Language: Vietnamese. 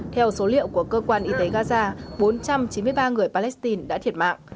theo số liệu của cơ quan y tế gaza bốn trăm chín mươi ba người palestine đã thiệt mạng